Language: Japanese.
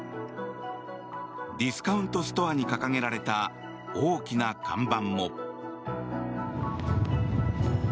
ディスカウントストアに掲げられた大きな看板も。